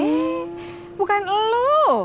eh bukan elu